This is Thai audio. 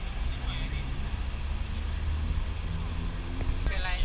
ส่วนข้อมีการหรือเปล่า